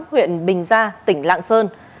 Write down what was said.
huyện bình gia tỉnh lạng sơn